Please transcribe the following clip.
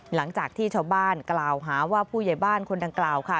หลังจากที่ชาวบ้านกล่าวหาว่าผู้ใหญ่บ้านคนดังกล่าวค่ะ